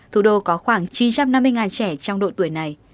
thủ đô có khoảng chín trăm năm mươi trẻ trong độ tuổi này